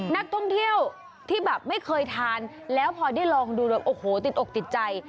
นักท่องเที่ยวที่แบบไม่เคยทานแล้วพอได้ลองดูแบบโอ้โหติดอกติดใจ